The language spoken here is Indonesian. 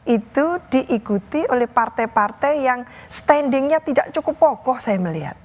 itu diikuti oleh partai partai yang standingnya tidak cukup kokoh saya melihat